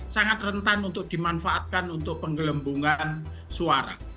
sangat rentan untuk dimanfaatkan untuk penggelembungan suara